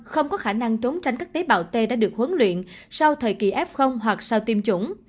không có khả năng trốn tránh các tế bào t đã được huấn luyện sau thời kỳ f hoặc sau tiêm chủng